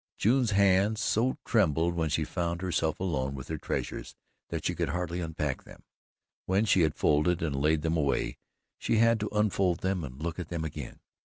June's hands so trembled when she found herself alone with her treasures that she could hardly unpack them. When she had folded and laid them away, she had to unfold them to look at them again.